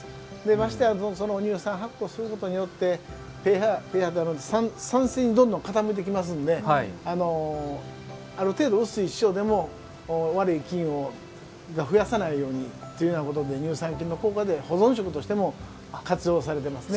ましてや乳酸発酵することによって酸性にどんどん傾いてきますのである程度、薄い塩でも悪い菌が増やさないようにということで乳酸菌の効果で保存食としても活用されていますね。